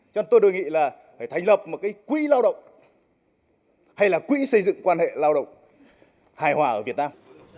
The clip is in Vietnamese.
cho nên tôi đề nghị là phải thành lập một cái quỹ lao động hay là quỹ xây dựng quan hệ lao động hài hòa ở việt nam